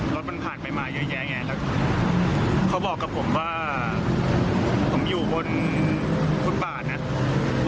รถมันผ่านไปมาเยอะแยะไงแล้วเขาบอกกับผมว่าผมอยู่บนฟุตบาทนะ